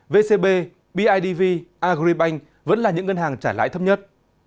vcb bidv agribank vẫn là những ngân hàng trả lãi thấp nhất